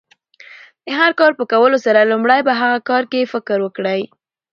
د هر کار په کولو سره، لومړی په هغه کار کښي فکر وکړئ!